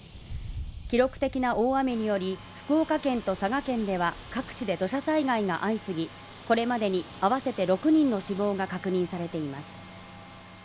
記録的な大雨により、福岡県と佐賀県では各地で土砂災害が相次ぎ、これまでにあわせて６人の死亡が確認されています。